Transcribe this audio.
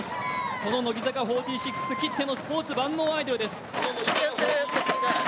その乃木坂４６きってのスポーツ万能アイドルです。